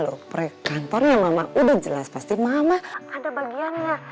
udah jelas pasti mama ada bagiannya